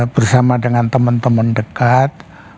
bersama dengan teman teman dekat